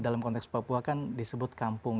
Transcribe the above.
dalam konteks papua kan disebut kampung